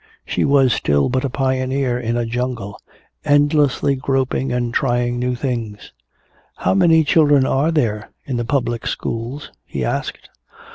She was still but a pioneer in a jungle, endlessly groping and trying new things. "How many children are there in the public schools?" he asked.